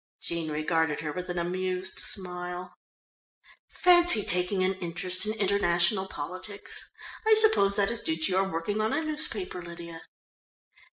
Jean regarded her with an amused smile. "Fancy taking an interest in international politics. I suppose that is due to your working on a newspaper, Lydia."